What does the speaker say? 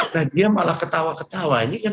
nah dia malah ketawa ketawa ini kan